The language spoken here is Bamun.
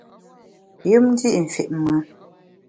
Yùm ndi’ fit mùn.